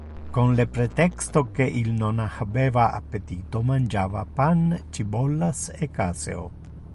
Con le pretexto que il non habeva appetito mangiava pan, cibollas e caseo.